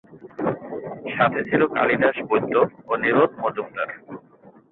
সাথে ছিলেন কালিদাস বৈদ্য ও নিরোধ মজুমদার।